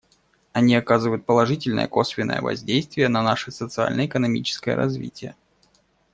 Они оказывают положительное косвенное воздействие на наше социально-экономическое развитие.